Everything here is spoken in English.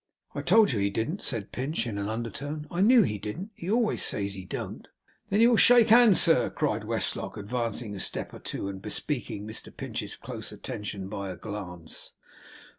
'I told you he didn't,' said Pinch, in an undertone; 'I knew he didn't! He always says he don't.' 'Then you will shake hands, sir?' cried Westlock, advancing a step or two, and bespeaking Mr Pinch's close attention by a glance.